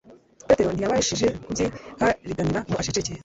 Petero ntiyabashije kubyihariganira ngo aceceke.